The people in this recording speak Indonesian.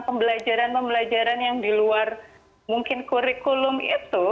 pembelajaran pembelajaran yang di luar mungkin kurikulum itu